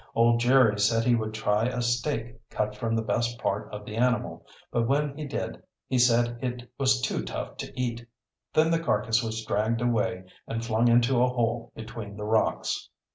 Old Jerry said he would try a steak cut from the best part of the the animal, but when he did he said it was too tough to eat. Then the carcass was dragged away and flung into a hole between the rocks.